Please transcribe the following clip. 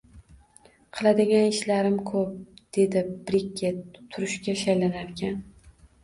Qiladigan ishim ko`p, dedi Brekket turishga shaylanarkan